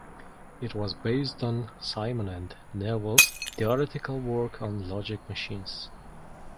It was based on Simon and Newell's theoretical work on logic machines.